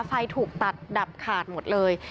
ไฟถูกตัดดับขาดหมดเลย